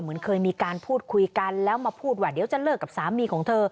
เหมือนเคยมีการพูดคุยกันแล้วมาพูดว่าเดี๋ยวจะเลิกกับสามีของเธอ